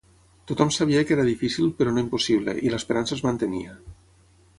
Tothom sabia que era difícil però no impossible, i l’esperança es mantenia.